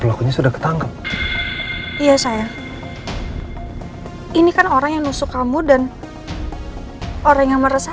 sudah ketangkep iya saya ini kan orang yang nusuk kamu dan orang yang merasa